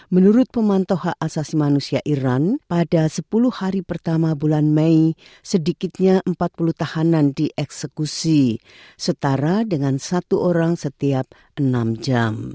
menurut pemantau hak asasi manusia iran pada sepuluh hari pertama bulan mei sedikitnya empat puluh tahanan dieksekusi setara dengan satu orang setiap enam jam